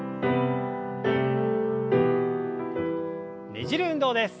ねじる運動です。